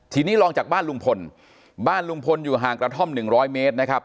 ทีนี้ลองจากบ้านลุงพลบ้านลุงพลอยู่ห่างกระท่อมหนึ่งร้อยเมตรนะครับ